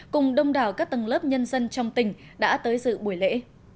cùng đông đảo các tầng lớp nhân dân trong tỉnh đã tới dự buổi lễ